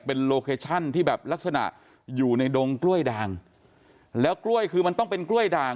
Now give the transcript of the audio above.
เป็นโลเคชั่นที่แบบลักษณะอยู่ในดงกล้วยด่างแล้วกล้วยคือมันต้องเป็นกล้วยด่าง